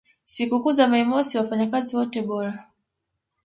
sikukuu za Mei mosi wafanyakazi wote bora